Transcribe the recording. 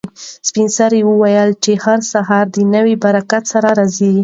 سپین سرې وویل چې هر سهار د نوي برکت سره راځي.